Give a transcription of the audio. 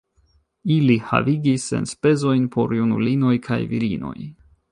Ili havigis enspezojn por junulinoj kaj virinoj.